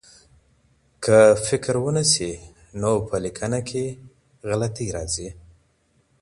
که فکر ونشي نو په لیکنه کي غلطۍ راځي.